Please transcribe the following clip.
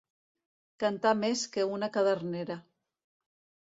Cantar més que una cadernera.